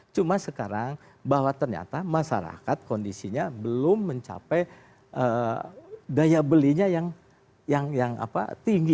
cuma sekarang bahwa ternyata masyarakat kondisinya belum mencapai daya belinya yang tinggi